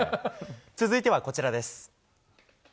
続いてはこちらです。